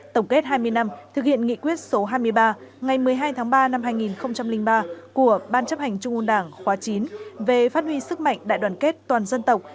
tổng kết hai mươi năm thực hiện nghị quyết số hai mươi ba ngày một mươi hai tháng ba năm hai nghìn ba của ban chấp hành trung ương đảng khóa chín về phát huy sức mạnh đại đoàn kết toàn dân tộc